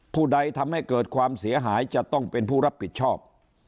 ผู้ใดทำให้เกิดความเสียหายจะต้องเป็นผู้รับผิดชอบ